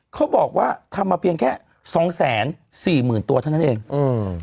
เขาบอกว่าทำมาเพียงแค่สองแสนสี่หมื่นตัวเท่านั้นเองอืม